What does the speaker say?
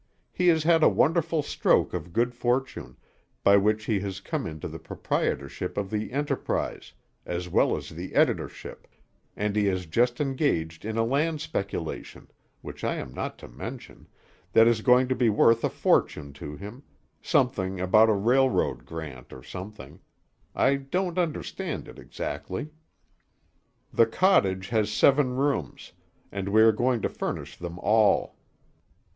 He has had a wonderful stroke of good fortune, by which he has come into the proprietorship of the Enterprise, as well as the editorship, and he has just engaged in a land speculation which I am not to mention that is going to be worth a fortune to him, something about a railroad grant, or something. I don't understand it exactly. The cottage has seven rooms, and we are going to furnish them all.